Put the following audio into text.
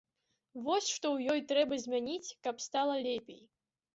Вось што ў ёй трэба змяніць, каб стала лепей.